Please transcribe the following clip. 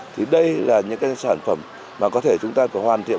thì đây là những sản phẩm mà có thể chúng ta có hoàn thiện